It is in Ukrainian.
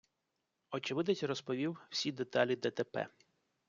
Очевидець розповів всі деталі ДТП.